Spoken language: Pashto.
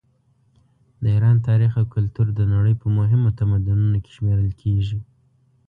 د ایران تاریخ او کلتور د نړۍ په مهمو تمدنونو کې شمېرل کیږي.